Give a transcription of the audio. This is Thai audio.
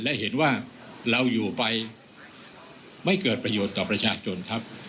และเห็นว่าเราอยู่ไปไม่เกิดประโยชน์ต่อประชาชนครับ